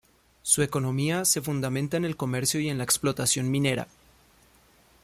Su economía se fundamenta en el comercio y en la explotación minera.